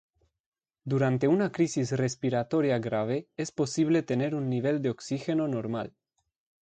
Durante una crisis respiratoria grave, es posible tener un nivel de oxígeno normal.